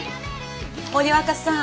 森若さん